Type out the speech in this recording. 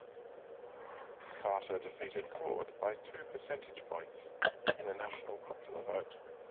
Carter defeated Ford by two percentage points in the national popular vote.